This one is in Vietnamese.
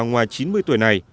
ngoài chín mươi tuổi này